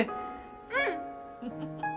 うん！